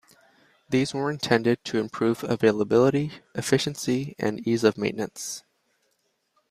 These were intended to improve availability, efficiency, and ease of maintenance.